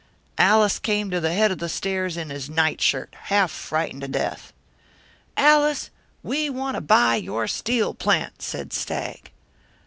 "Allis came to the head of the stairs in his nightshirt, half frightened to death. "'Allis, we want to buy your steel plant,' said Stagg.